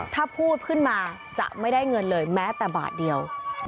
ถ้าพูดขึ้นมาจะไม่ได้เงินเลยแม้แต่บาทเดียว